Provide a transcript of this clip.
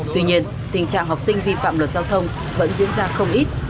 tuy nhiên tình trạng học sinh vi phạm luật giao thông vẫn diễn ra không ít